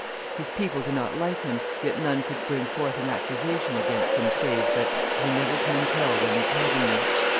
His people do not like him, yet none could bring forth an accusation against him, save, that "You never can tell when he's having you."